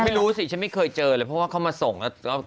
ไม่รู้สิฉันไม่เคยเจอเลยเพราะว่าเขามาส่ง